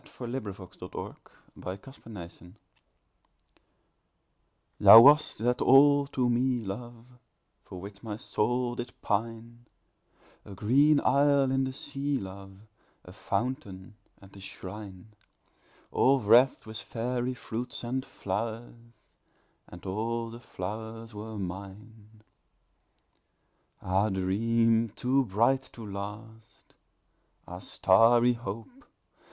Edgar Allan Poe To One in Paradise THOU wast that all to me, love, For which my soul did pine A green isle in the sea, love, A fountain and a shrine, All wreathed with fairy fruits and flowers, And all the flowers were mine. Ah, Dream too bright to last! Ah starry Hope!